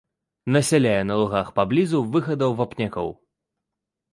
Насяляе на лугах паблізу выхадаў вапнякоў.